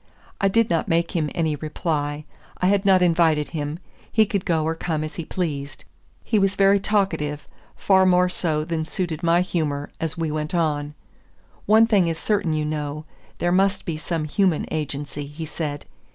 I did not make him any reply. I had not invited him; he could go or come as he pleased. He was very talkative, far more so than suited my humor, as we went on. "One thing is certain, you know; there must be some human agency," he said.